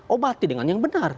obati dengan yang benar